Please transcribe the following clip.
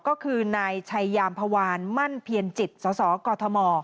ก็คือนายชัยยามพวานมั่นเพียรจิตสสกม